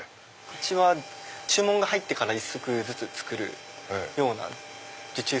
うちは注文が入ってから一足ずつ作るような受注生産。